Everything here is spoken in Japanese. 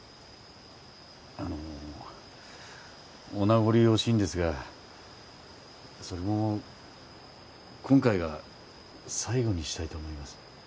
あのお名残惜しいんですがそれも今回が最後にしたいと思います